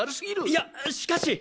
いやしかし。